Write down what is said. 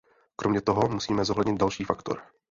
Kromě toho musíme zohlednit další faktor.